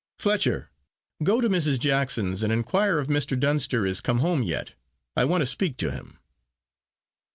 "Fletcher! go to Mrs. Jackson's and inquire if Mr. Dunster is come home yet. I want to speak to him."